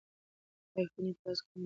آیفون یې په لاس کې ونیوه.